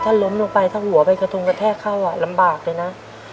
ถ้าล้มลงไปถ้าหัวไปกระทงกระแทกเข้าลำบากเลยนะ